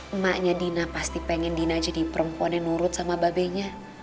emaknya dina pasti pengen dina jadi perempuan yang nurut sama mbak be nya